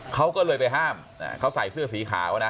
เขาก็เลยไปห้ามเขาใส่เสื้อสีขาวนะ